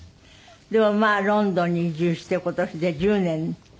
でもまあロンドンに移住して今年で１０年。